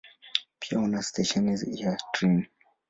Pia una stesheni ya treni.